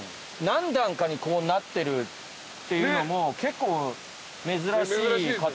何段かにこうなってるっていうのも結構珍しい形だと思う。